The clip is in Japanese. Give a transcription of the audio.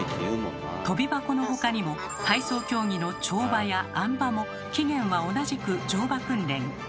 とび箱の他にも体操競技の跳馬やあん馬も起源は同じく乗馬訓練。